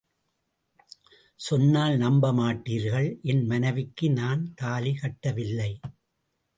சொன்னால் நம்ப மாட்டீர்கள், என் மனைவிக்கு நான் தாலி கட்டவில்லை!